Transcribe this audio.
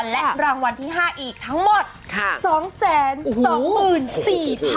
และรางวัลที่๕อีกทั้งหมด๒๒๔๐๐๐บาท